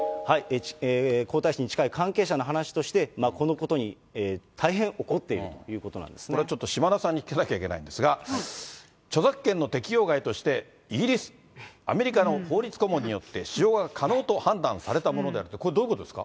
皇太子に近い関係者の話として、このことに大変怒っているとこれちょっと、島田さんに聞かなきゃいけないんですが、著作権の適用外として、イギリス、アメリカの法律顧問によって使用が可能と判断されたものであるって、これ、どういうことですか。